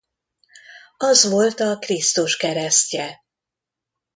Az vot a Krisztus keresztje.